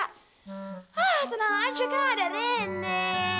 ah tenang aja kan ada rene